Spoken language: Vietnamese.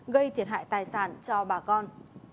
gây thiệt hại tài sản cho bà con